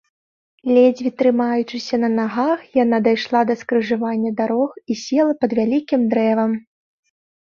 Ледзьве трымаючыся на нагах, яна дайшла да скрыжавання дарог і села пад вялікім дрэвам.